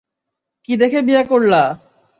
কি দেখে বিয়া করলা?